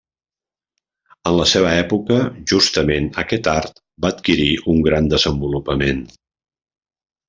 En la seva època justament aquest art va adquirir un gran desenvolupament.